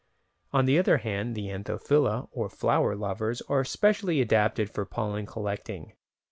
On the other hand, the Anthophila or "flower lovers", are specially adapted for pollen collecting.